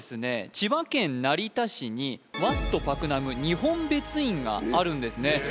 千葉県成田市にワット・パクナム日本別院があるんですね